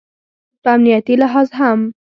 په امنیتي لحاظ هم